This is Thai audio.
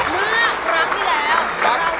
เมื่อครั้งที่แล้ว